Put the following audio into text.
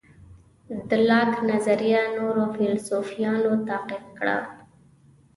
د لاک نظریه نورو فیلیسوفانو تعقیب کړه.